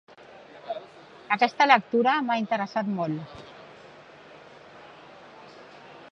Aquesta lectura m'ha interessat molt.